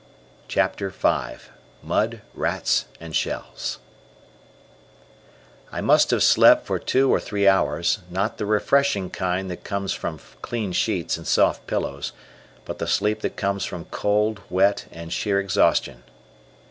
CHAPTER V MUD, RATS, AND SHELLS I must have slept for two or three hours, not the refreshing kind that results from clean sheets and soft pillows, but the sleep that comes from cold, wet, and sheer exhaustion.